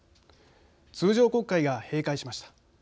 通常国会が閉会しました。